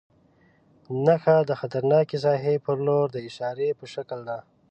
نښه د خطرناکې ساحې پر لور د اشارې په شکل ده.